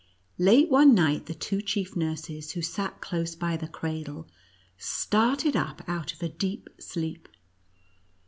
Late one night the two chief nurses who sat close "by the cradle, started up out of a deep sleep.